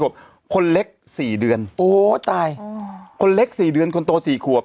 ขวบคนเล็กสี่เดือนโอ้ตายคนเล็กสี่เดือนคนโตสี่ขวบ